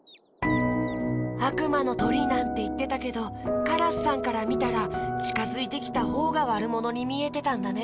あくまのとりなんていってたけどカラスさんからみたらちかづいてきたほうがわるものにみえてたんだね。